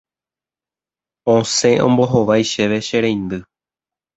Osẽ ombohovái chéve che reindy